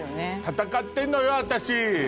戦ってんのよ私。